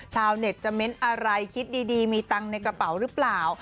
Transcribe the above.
ชาวเน็ตจะเม้นอะไรคิดดีมีตังค์ในกระเป๋าหรือเปล่า